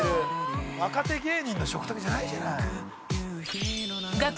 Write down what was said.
若手芸人の食卓じゃないじゃない。